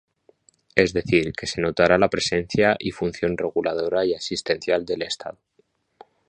Es decir, que se notara la presencia y función reguladora y asistencial del Estado.